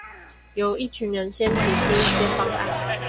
由一群人先提出一些方案